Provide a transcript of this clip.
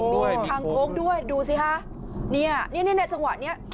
ด้วยด้วยดูสิฮะเนี้ยเนี้ยในจังหวะเนี้ย